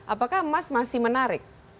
apakah emas masih menarik